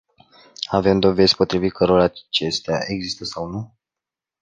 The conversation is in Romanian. Avem dovezi potrivit cărora acestea există sau nu?